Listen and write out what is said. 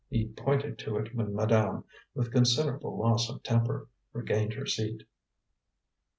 He pointed to it when madame, with considerable loss of temper, regained her seat.